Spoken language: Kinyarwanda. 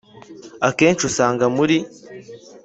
Akenshi usanga muri